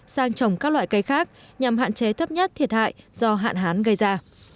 sang trồng các loại cây khác nhằm hạn chế thấp nhất thiệt hại do hạn hán gây ra